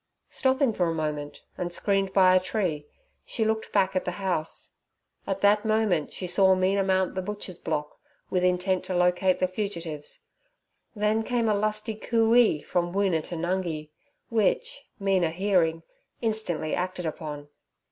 Stopping for a moment, and screened by a tree, she looked back at the house. At that moment she saw Mina mount the butcher's block, with intent to locate the fugitives; then came a lusty cooee from Woona to Nungi, which, Mina hearing, instantly acted upon.